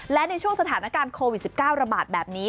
และในช่วงสถานการณ์โควิด๑๙ระบาดแบบนี้